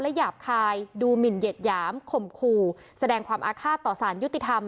หยาบคายดูหมินเหยียดหยามข่มขู่แสดงความอาฆาตต่อสารยุติธรรม